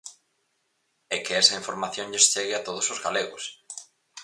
E que esa información lles chegue a todos os galegos.